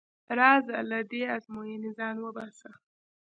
راځه له دې ازموینې ځان وباسه.